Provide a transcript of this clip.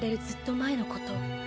ずっと前のこと。